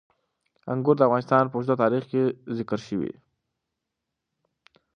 انګور د افغانستان په اوږده تاریخ کې ذکر شوی دی.